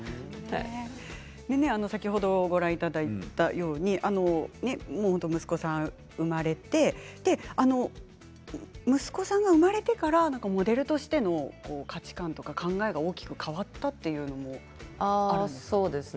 先ほどご覧いただいたように息子さん生まれて息子さんが生まれてからモデルとしての価値観とか考えが大きく変わったということもあるんですか？